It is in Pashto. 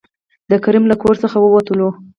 د کريم له کور څخه ووتل.